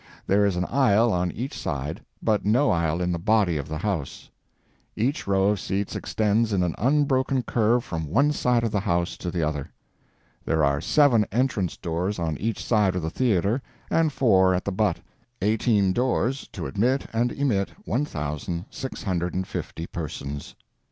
There is an aisle on each side, but no aisle in the body of the house. Each row of seats extends in an unbroken curve from one side of the house to the other. There are seven entrance doors on each side of the theater and four at the butt, eighteen doors to admit and emit 1,650 persons.